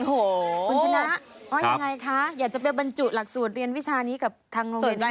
คุณชนะยังไงคะอยากจะไปบรรจุหลักสูตรเรียนวิชานี้กับทางโรงเรียนได้